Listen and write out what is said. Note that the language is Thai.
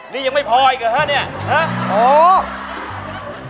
นี่ยังไม่พออีกเหรอฮะเนี่ย